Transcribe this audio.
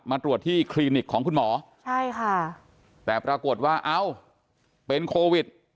ตรวจที่คลินิกของคุณหมอใช่ค่ะแต่ปรากฏว่าเอ้าเป็นโควิด